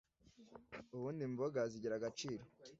ubundi imboga zigira agaciro